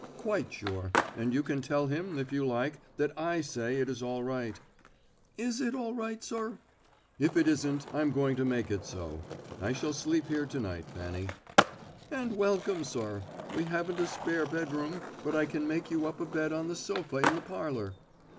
"Quite sure; and you can tell him, if you like, that I say it is all right." "Is it all right, sir?" "If it isn't, I'm going to try to make it so. I shall sleep here to night, Fanny." "And welcome, sir. We haven't a spare bedroom, but I can make you up a bed on the sofa in the parlour."